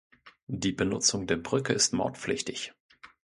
Die Benutzung der Brücke ist mautpflichtig.